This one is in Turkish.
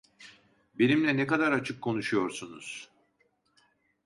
Benimle ne kadar açık konuşuyorsunuz!